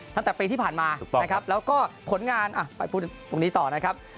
ตั้งแต่ปีที่ผ่านมานะครับแล้วก็ผลงานไปพูดตรงนี้ต่อนะครับ